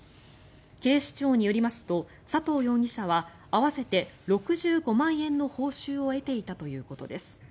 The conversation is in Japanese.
警視庁によりますと佐藤容疑者は合わせて６５万円の報酬を得ていたということです。